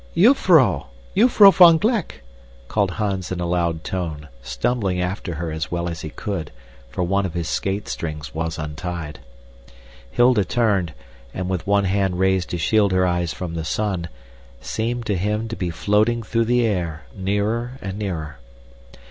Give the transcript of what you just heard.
"Jufvrouw! Jufvrouw van Gleck!" called Hans in a loud tone, stumbling after her as well as he could, for one of his skate strings was untied. Hilda turned and, with one hand raised to shield her eyes from the sun, seemed to him to be floating through the air, nearer and nearer.